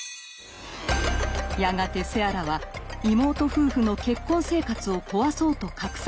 やがてセアラは妹夫婦の結婚生活を壊そうと画策し始めます。